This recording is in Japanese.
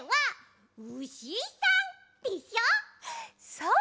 そう！